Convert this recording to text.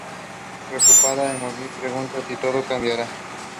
The instrumental parts also add contrasting rhythmical patterns.